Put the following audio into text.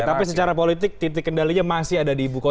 tapi secara politik titik kendalinya masih ada di ibu kota